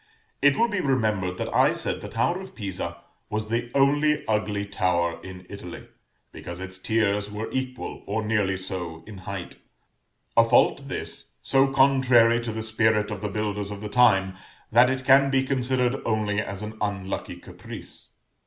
It will be remembered that I said the tower of Pisa was the only ugly tower in Italy, because its tiers were equal, or nearly so, in height; a fault this, so contrary to the spirit of the builders of the time, that it can be considered only as an unlucky caprice.